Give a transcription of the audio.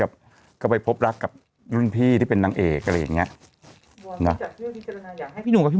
แล้วเข้าไปพบลักกษ์กับรุ่นพี่ที่เป็นนางเอกอะไรอย่างนี้